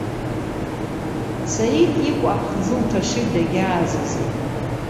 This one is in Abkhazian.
Саид икәа аԥхӡы лҭашит, дагьаазазеит.